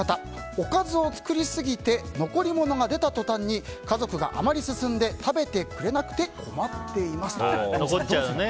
おかずを作りすぎて残り物が出たとたんに家族があまり進んで食べてくれずに困っていますという。